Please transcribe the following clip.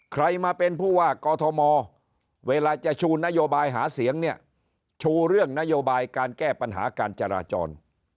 ใครมาเป็นผู้ว่ากอทมเวลาจะชูนโยบายหาเสียงเนี่ยชูเรื่องนโยบายการแก้ปัญหาการจราจร